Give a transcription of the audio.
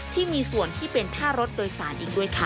ที่มีส่วนที่เป็นค่ารถโดยสารอีกด้วยค่ะ